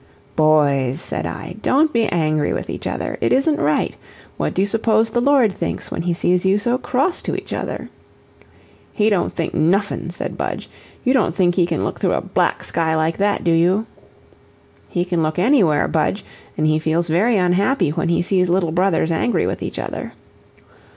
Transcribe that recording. "Boys," said I, "don't be angry with each other it isn't right. What do you suppose the Lord thinks when he sees you so cross to each other?" "He don't think noffin'," said Budge; "you don't think he can look through a black sky like that, do you?" "He can look anywhere, Budge, and he feels very unhappy when he sees little brothers angry with each other."